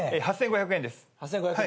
８，５００円です。